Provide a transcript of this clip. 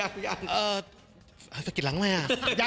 สกิดหลังใหม่ละ